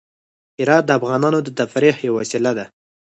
هرات د افغانانو د تفریح یوه وسیله ده.